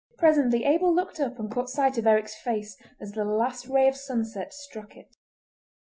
Presently Abel looked up and caught sight of Eric's face as the last ray of sunset struck it.